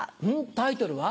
タイトルは？